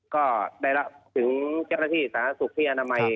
ก็ได้รับถึงเจ้าหน้าที่สาธารณสุขที่อนามัย